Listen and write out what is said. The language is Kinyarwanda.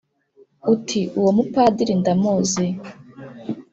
uti:”uwo mupadiri ndamuzi